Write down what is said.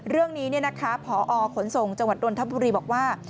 เรื่องนี้พอขนส่งจังหวัดนทบุรีบอกว่า